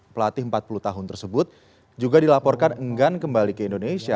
pelatih empat puluh tahun tersebut juga dilaporkan enggan kembali ke indonesia